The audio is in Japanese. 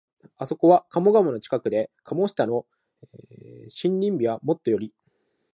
あそこは鴨川の近くで、下鴨の森林美はもとより、